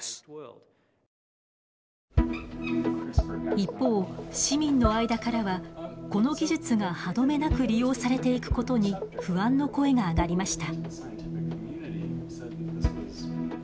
一方市民の間からはこの技術が歯止めなく利用されていくことに不安の声が上がりました。